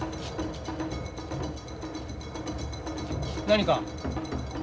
何か？